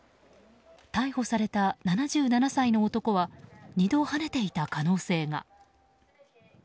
逮捕された７７歳の男は２度はねていた可能性が。